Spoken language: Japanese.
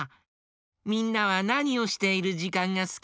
みんなはなにをしているじかんがすき？